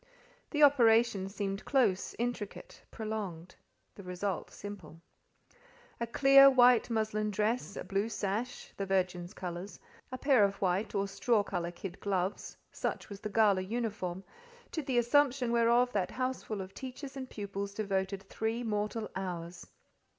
The operation seemed close, intricate, prolonged: the result simple. A clear white muslin dress, a blue sash (the Virgin's colours), a pair of white, or straw colour kid gloves—such was the gala uniform, to the assumption whereof that houseful of teachers and pupils devoted three mortal hours.